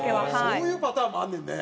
そういうパターンもあんねんね。